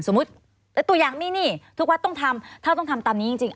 ตัวอย่างนี้นี่ทุกวัดต้องทำถ้าต้องทำตามนี้จริง